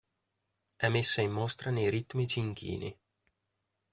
È messa in mostra nei ritmici inchini.